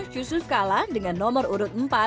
yusuf kala dengan nomor urut empat